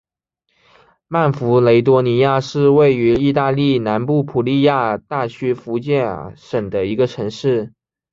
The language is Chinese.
曼弗雷多尼亚是位于义大利南部普利亚大区福贾省的一个城市。